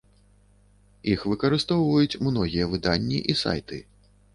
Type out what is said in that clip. Іх выкарыстоўваюць многія выданні і сайты.